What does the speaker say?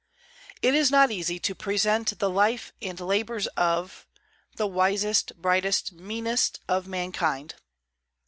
It is not easy to present the life and labors of "The wisest, brightest, meanest of mankind."